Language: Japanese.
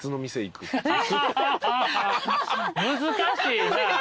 難しいな。